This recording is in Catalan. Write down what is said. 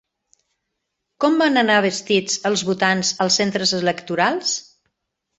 Com van anar vestits els votants als centres electorals?